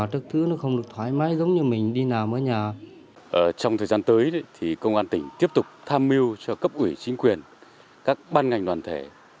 trong thời gian tới công an tỉnh tiếp tục tham mưu cho cấp ủy chính quyền các ban ngành đoàn thể